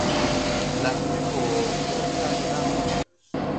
Lag we go wer taale la.